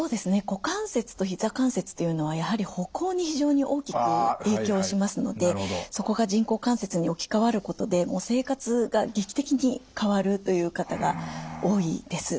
股関節とひざ関節というのはやはり歩行に非常に大きく影響しますのでそこが人工関節に置き換わることで生活が劇的に変わるという方が多いです。